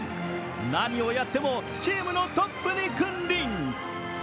何をやってもチームのトップに君臨。